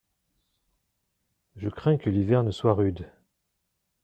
Je crains que l’hiver ne soit rude.